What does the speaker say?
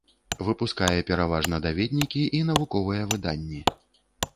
Выпускае пераважна даведнікі і навуковыя выданні.